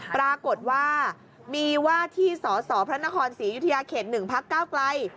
ปรากฏว่ามีว่าที่สสพระนครศรียุธยาเขต๑พักก้าวไกล